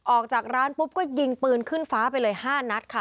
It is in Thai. ออกจากร้านปุ๊บก็ยิงปืนขึ้นฟ้าไปเลย๕นัดค่ะ